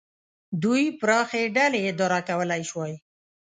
دوی پراخې ډلې اداره کولای شوای.